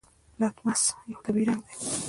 لتمس یو طبیعي رنګ دی.